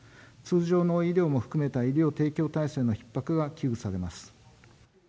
通常の医療も含めた医療提供体制のひっ迫が危惧されます。